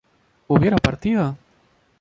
¿hubiera partido?